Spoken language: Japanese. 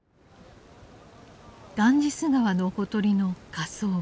ガンジス河のほとりの火葬場。